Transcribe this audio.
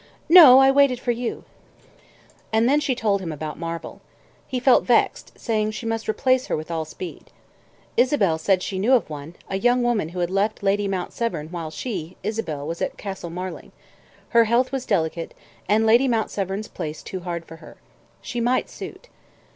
"No, I waited for you." And then she told him about Marvel. He felt vexed, saying she must replace her with all speed. Isabel said she knew of one, a young woman who had left Lady Mount Severn while she, Isabel, was at Castle Marling; her health was delicate, and Lady Mount Severn's place too hard for her. She might suit.